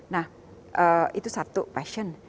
nah itu satu passion